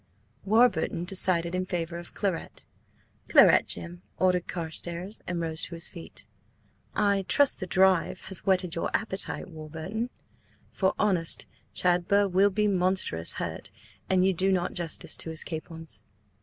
Warburton decided in favour of claret. "Claret, Jim," ordered Carstares, and rose to his feet. "I trust the drive has whetted your appetite, Warburton, for honest Chadber will be monstrous hurt an you do not justice to his capons."